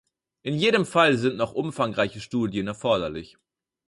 In jedem Fall sind noch umfangreiche Studien erforderlich.